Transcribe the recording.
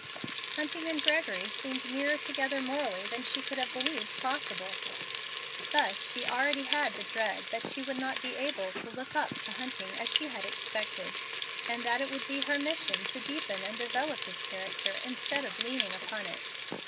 Hunting and Gregory seemed nearer together morally than she could have believed possible. Thus she already had the dread that she would not be able to "look up" to Hunting as she had expected, and that it would be her mission to deepen and develop his character instead of "leaning" upon it.